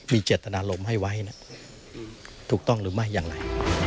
มีเจตนารมณ์ให้ไว้ถูกต้องหรือไม่อย่างไร